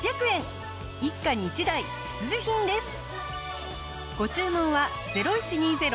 一家に一台必需品です。